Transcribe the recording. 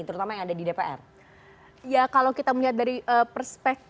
terutama yang ada di dpr